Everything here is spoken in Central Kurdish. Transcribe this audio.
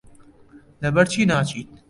لەبەرچی ناچیت؟